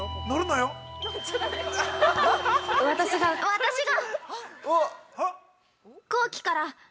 ◆私が。